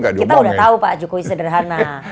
kita sudah tahu pak jokowi sederhana